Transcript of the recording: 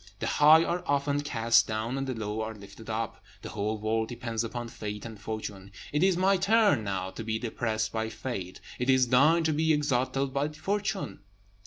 The high are often cast down, and the low are lifted up. The whole world depends upon fate and fortune. It is my turn now to be depressed by fate; it is thine to be exalted by fortune."